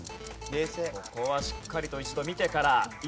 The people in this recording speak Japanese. ここはしっかりと一度見てから。